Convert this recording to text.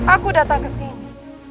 aku datang ke sini